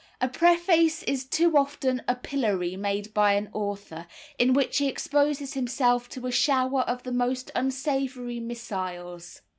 A preface is too often a pillory made by an author, in which he exposes himself to a shower of the most unsavoury missiles.